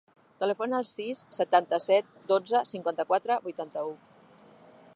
Telefona al sis, setanta-set, dotze, cinquanta-quatre, vuitanta-u.